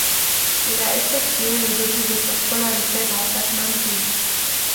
Il a effectué le début de sa scolarité dans cette même ville.